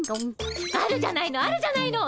あるじゃないのあるじゃないの。